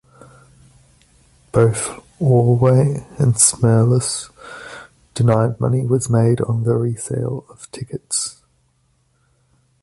Both Ordway and Smerlas denied money was made on the resale of tickets.